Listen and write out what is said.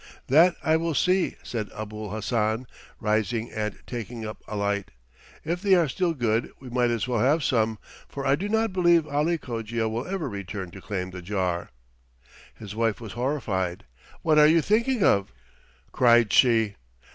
"That I will see," said Abul Hassan, rising and taking up a light. "If they are still good we might as well have some, for I do not believe Ali Cogia will ever return to claim the jar." His wife was horrified. "What are you thinking of?" cried she.